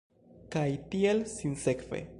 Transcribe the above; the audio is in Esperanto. Kaj tiel sinsekve.